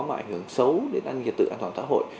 mà ảnh hưởng xấu đến ăn nghiệp tự an toàn xã hội